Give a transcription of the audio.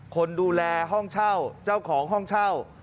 คนดูแลห้องเช่าเจ้าของห้องเช่า